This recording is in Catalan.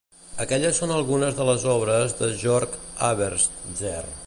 Aquelles són algunes de les obres de Jörg Habersetzer.